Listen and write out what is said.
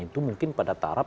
dan itu mungkin pada tarap